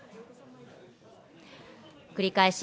繰り返し